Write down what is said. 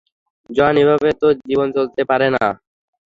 জন, এভাবে তো জীবন চলতে পারে না।